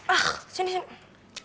ah sini sini